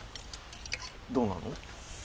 どうなの？